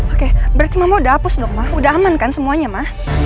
oke berarti mama udah hapus ma udah aman kan semuanya ma